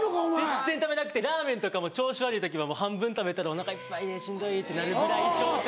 全然食べなくてラーメンとかも調子悪い時は半分食べたらお腹いっぱいでしんどいってなるぐらい小食。